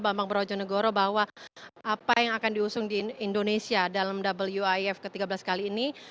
bambang brojonegoro bahwa apa yang akan diusung di indonesia dalam wif ke tiga belas kali ini